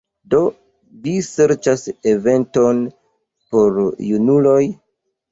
Do vi serĉas eventon por junuloj?